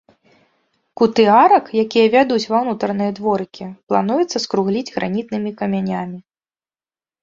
Куты арак, якія вядуць ва ўнутраныя дворыкі, плануецца скругліць гранітнымі камянямі.